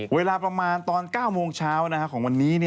เวลาประมาณตอน๙โมงเช้าของวันนี้